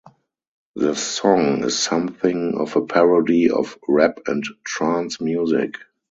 The song is something of a parody of rap and trance music.